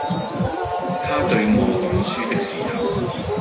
他對我講書的時候，